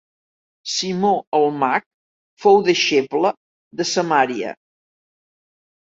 Simó el Mag fou deixeble de Samaria.